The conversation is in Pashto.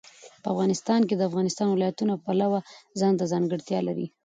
افغانستان د د افغانستان ولايتونه د پلوه ځانته ځانګړتیا لري.